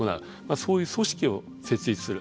そういう組織を設立する